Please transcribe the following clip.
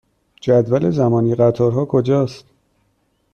جدول زمانی قطارها کجا است؟